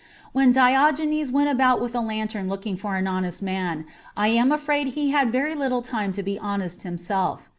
When Diogenes went about with a lantern looking for an honest man, I am afraid he had very little time to be honest himself.